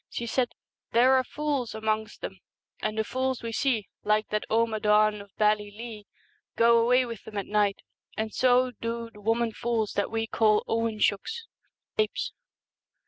She said, 1 There are fools amongst them, and the fools we see, like that Amadan of Bally lee, go away with them at night, and so do the woman fools that we call Oinseachs (apes).'